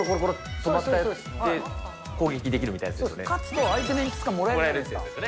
止まったやつで攻撃できるみたいなやつですよね。